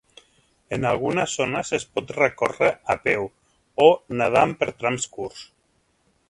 En algunes zones es pot recórrer a peu o nedant per trams curts.